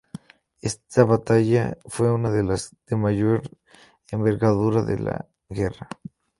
Esta batalla fue una de las de mayor envergadura en la guerra.